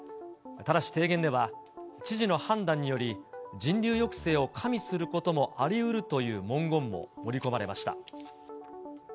ただし提言では、知事の判断により、人流抑制を加味することもありうるという文言も盛り込まれました。